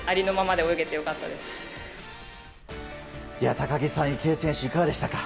高木さん、池江選手いかがでしたか？